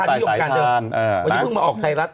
ตายสายทานวันนี้เพิ่งมาออกไทยรัฐ